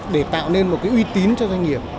để tạo nên một uy tín cho doanh nghiệp